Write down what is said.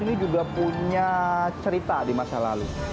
ini juga punya cerita di masa lalu